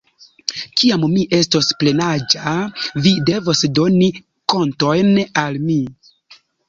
Kiam mi estos plenaĝa vi devos doni kontojn al mi.